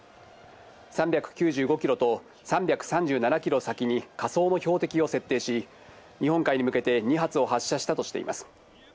３９５キロと３３７キロ先に仮想の標的を設定し、日本海に向けて２発を発射したとしています。